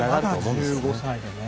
まだ１５歳でね。